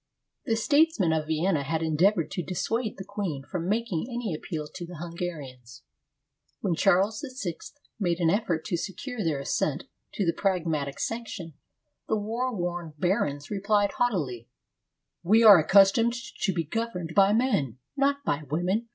The statesmen of Vienna had endeavored to dissuade the queen from making any appeal to the Hungarians. When Charles VI made an effort to secure their assent to the Pragmatic Sanction, the war worn barons replied haughtily, ''We are accustomed to be governed by men, not by women."